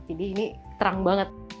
jadi ini terang banget